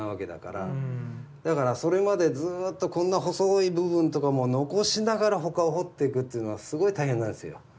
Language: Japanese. だからそれまでずっとこんな細い部分とかも残しながら他を彫っていくっていうのはすごい大変なんですよ。